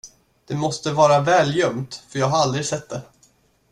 Det måste vara väl gömt, för jag har aldrig sett det.